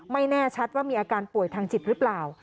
แน่ชัดว่ามีอาการป่วยทางจิตหรือเปล่า